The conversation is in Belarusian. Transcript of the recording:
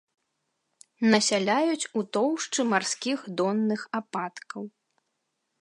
Насяляюць у тоўшчы марскіх донных ападкаў.